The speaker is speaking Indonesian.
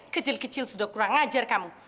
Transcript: kecil kecil sudah kurang ngajar kamu